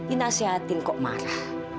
inasihatin kok marah